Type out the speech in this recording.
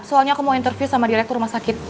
soalnya aku mau interview sama direktur rumah sakit